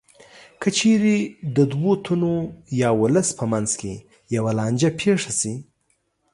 که چېرې د دوو تنو یا ولس په منځ کې یوه لانجه پېښه شي